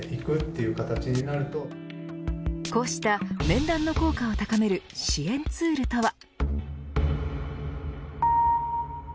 面談の効果を高める支援ツールとは。